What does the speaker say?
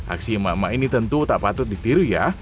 aksi emak emak ini tentu tak patut ditiru ya